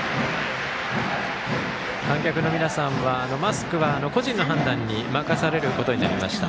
観客の皆さんはマスクは個人の判断に任されることになりました。